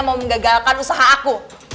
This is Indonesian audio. mau menggagalkan usaha aku